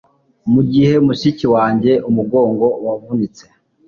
mugihe mushiki wanjye umugongo, wavunitse